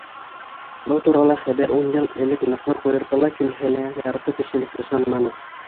Был турала хәбәр ун йыл элек ныҡлы ҡуйыртыла килһә лә, ярты кешелек ышанманы.